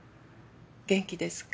元気ですか？